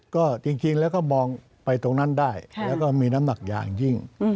ก็จริงแล้วก็มองไปตรงนั้นได้แล้วก็มีน้ำหนักอย่างยิ่ง